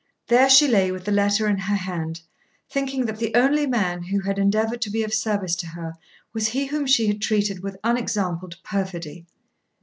There she lay with the letter in her hand, thinking that the only man who had endeavoured to be of service to her was he whom she had treated with unexampled perfidy.